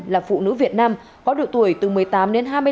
là phụ nữ việt nam có độ tuổi từ một mươi tám đến hai mươi bốn